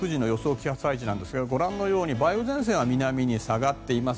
気圧配置ですがご覧のように梅雨前線が南に下がっています。